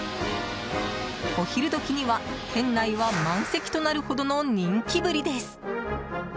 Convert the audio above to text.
お昼どきには、店内は満席となるほどの人気ぶりです。